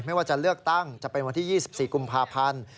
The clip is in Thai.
ไม่ว่าจะเลือกตั้งจะเป็นวันที่๒๔กุมภาพันธ์